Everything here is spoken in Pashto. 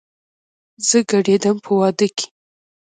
زه ګډېدم په وادۀ کې